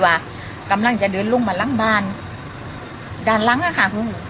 สุดท้ายสุดท้ายสุดท้ายสุดท้าย